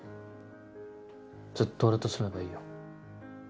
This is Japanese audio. ずっと俺と住めばいいよ。